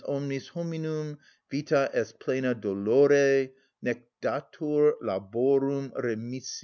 (Omnis hominum vita est plena dolore, _Nec datur laborum remissio.